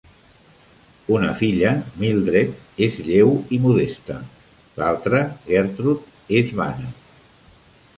Una filla, Mildred, és lleu i modesta; l'altre, Gertrude, és vana.